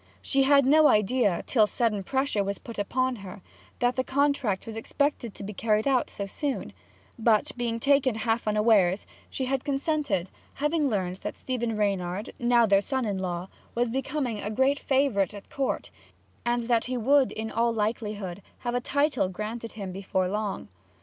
She had no idea, till sudden pressure was put upon her, that the contract was expected to be carried out so soon, but being taken half unawares, she had consented, having learned that Stephen Reynard, now their son in law, was becoming a great favourite at Court, and that he would in all likelihood have a title granted him before long.